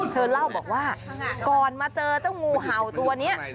เธอเล่าบอกว่าก่อนมาเจอเจ้างูเห่าตัวนี้